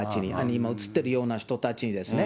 今映っているような人たちにですね。